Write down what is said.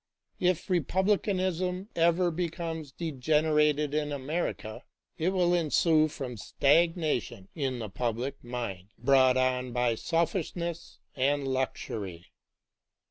If re publicanism ever becomes degenerated in America, it will ensue from stagnation in the public mind, brought on by selfishness and luxury.